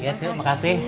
iya cuk makasih